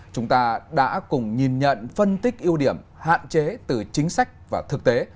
chúng ta đã cùng nhìn nhận phân tích ưu điểm hạn chế từ chính sách và thực tế